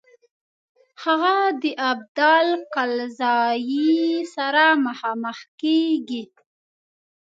هغه د ابدال کلزايي سره مخامخ کیږي.